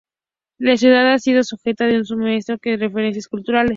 La ciudad ha sido sujeta de un sinnúmero de referencias culturales.